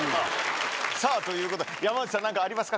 さぁということで山内さん何かありますか？